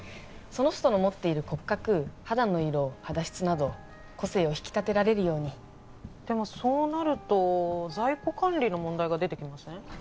その人の持っている骨格肌の色肌質など個性を引き立てられるようにでもそうなると在庫管理の問題が出てきません？